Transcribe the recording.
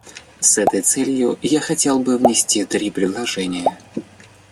С этой целью я хотел бы внести три предложения.